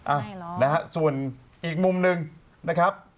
อ่ะนะฮะส่วนอีกมุมหนึ่งนะครับ